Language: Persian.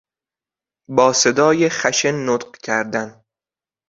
با صدای خشن نطق کردن